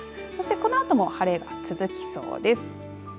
このあとも晴れが続きそうです。